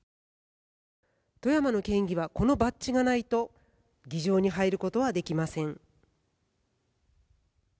富山の県議はこのバッジがないと議場に入ることはできません。